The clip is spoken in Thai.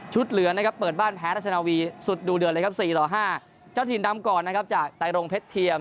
ชุดเหลือนนะครับเปิดบ้านแพ้ราชนาวีสุดดูเดือนเลยครับ๔๕จ้าวชิ้นดำกรจากไตรองเพชรเทียม